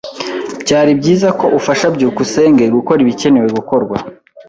Byari byiza ko ufasha byukusenge gukora ibikenewe gukorwa.